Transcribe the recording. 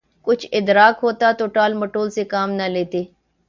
کچھ ادراک ہوتا تو ٹال مٹول سے کام نہ لیتے۔